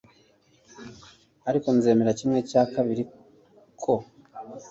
Ariko nzemera kimwe cya kabiri ko